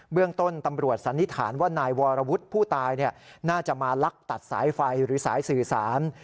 เรื่องต้นตำรวจสันนิษฐานว่านายวรวุฒิผู้ตายน่าจะมาลักตัดสายไฟหรือสายสื่อสาร